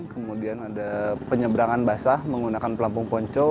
kemudian ada penyeberangan basah menggunakan pelampung ponco